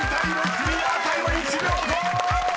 クリアタイム１秒５！］